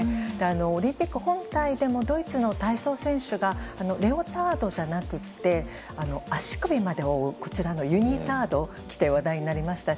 オリンピック本体でもドイツの体操選手がレオタードじゃなくって足首までを覆うユニタードを着て話題になりましたし。